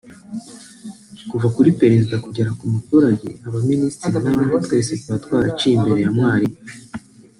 kuva kuri Perezida kugera ku muturage abaminisitir n’abandi twese tuba twaraciye imbere ya mwalimu